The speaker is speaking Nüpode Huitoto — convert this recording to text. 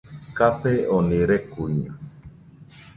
Café oni rekuiño